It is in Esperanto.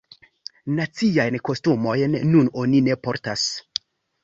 Naciajn kostumojn nun oni ne portas.